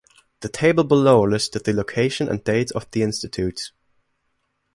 The table below listed the location and dates of the Institutes.